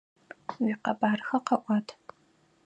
Уикъэбархэ къэӏуат!